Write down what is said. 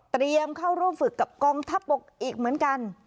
เข้าร่วมฝึกกับกองทัพบกอีกเหมือนกัน